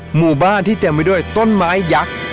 หมู่บ้านที่เต็มไปด้วยต้นไม้ยักษ์